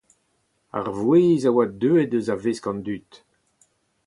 Ar vouezh a oa deuet eus a-vesk an dud.